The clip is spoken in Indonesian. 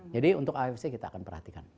jadi untuk afc kita akan perhatikan